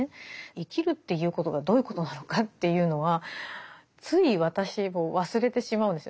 生きるっていうことがどういうことなのかというのはつい私も忘れてしまうんですよ。